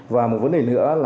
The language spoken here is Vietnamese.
và một vấn đề nữa là